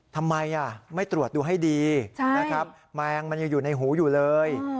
ทำไมไม่ตรวจดูให้ดีแมงมันอยู่ในหูอยู่เลย